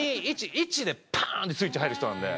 「１」でパン！ってスイッチ入る人なんで。